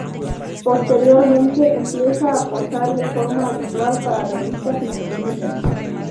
Posteriormente empieza a posar de forma habitual para revistas masculinas.